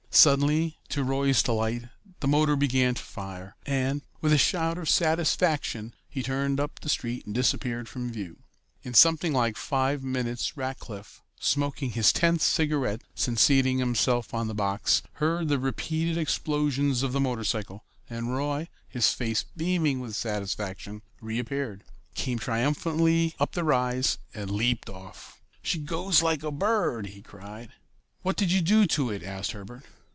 Suddenly, to Roy's delight, the motor began to fire, and, with a shout of satisfaction, he turned up the street and disappeared from view. In something like five minutes Rackliff, smoking his tenth cigarette since seating himself on the box, heard the repeated explosions of the motorcycle, and Roy, his face beaming with satisfaction, reappeared, came triumphantly up the rise and leaped off. "She goes like a bird," he cried. "What did you do to it?" asked Herbert.